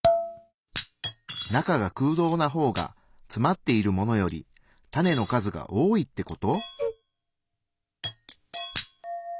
中が空洞なほうがつまっているものよりタネの数が多いってこと？